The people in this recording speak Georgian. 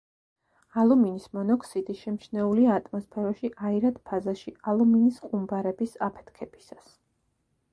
ალუმინის მონოქსიდი შემჩნეულია ატმოსფეროში აირად ფაზაში ალუმინის ყუმბარების აფეთქებისას.